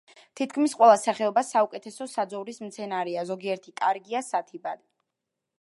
თითქმის ყველა სახეობა საუკეთესო საძოვრის მცენარეა, ზოგიერთი კარგია სათიბად.